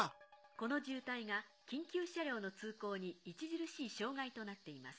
この渋滞が緊急車両の通行に著しい障害となっています